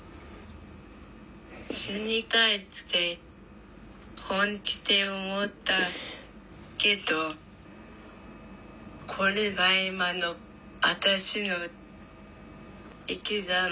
死にたいって本気で思ったけどこれが今の私の生きざま。